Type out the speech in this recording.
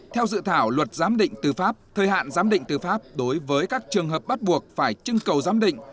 theo dự thảo luật giám định tư pháp thời hạn giám định tư pháp đối với các trường hợp bắt buộc phải trưng cầu giám định